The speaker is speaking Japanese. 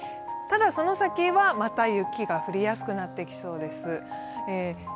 ただ、その先はまた雪が降りやすくなってきそうです。